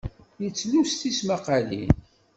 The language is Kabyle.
Yettlus tismaqalin.